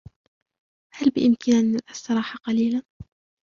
هل بإمكاننا الاستراحة قليلا ؟